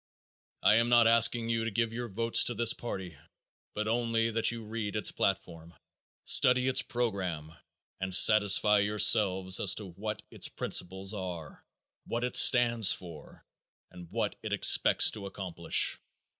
I am not asking you to give your votes to this party but only that you read its platform, study its program, and satisfy yourselves as to what its principles are, what it stands for, and what it expects to accomplish.